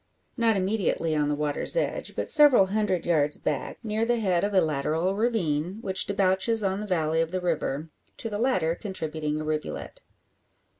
Not immediately on the water's edge, but several hundred yards back, near the head of a lateral ravine which debouches on the valley of the river, to the latter contributing a rivulet.